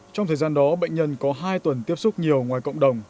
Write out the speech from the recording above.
trong thời gian đó bệnh nhân có hai tuần tiếp xúc nhiều ngoài cộng đồng